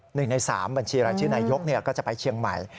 หนึ่งในสามบัญชีรายชื่อนายกก็จะไปเชียงใหม่